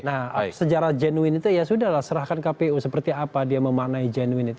nah secara jenuin itu ya sudah lah serahkan kpu seperti apa dia memanai jenuin itu